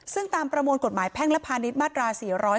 ซึ่งตามประมวลกฎหมายแพ่งลภานิษฐ์มาตรา๔๑๒